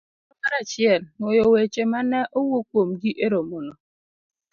Chenro mar achiel. Nwoyo weche ma ne owuo kuomgi e romono